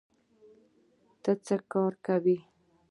ته څه کار کوې؟